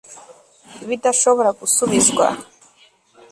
ibidashobora gusubizwa